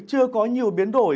chưa có nhiều biến đổi